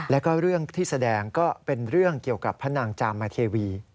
แล้วก็เรื่องที่แสดงก็เป็นเรื่องเกี่ยวกับพระนางจามเทวี